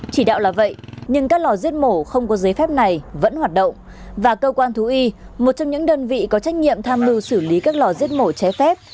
chỉ đạo là vậy nhưng các lò giết mổ không có giấy phép này vẫn hoạt động và cơ quan thú y một trong những đơn vị có trách nhiệm tham mưu xử lý các lò giết mổ chế phép